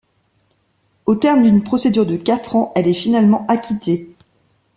Au terme d’une procédure de quatre ans, elle est finalement acquittée.